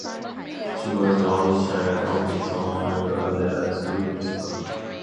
She was the only child of the town mayor and high school principal.